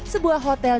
sebuah hotel jalan